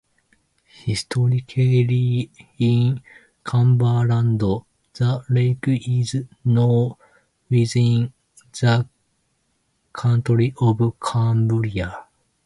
Historically in Cumberland, the lake is now within the county of Cumbria.